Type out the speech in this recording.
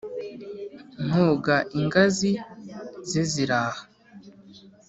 nkoga ingazi ze ziraha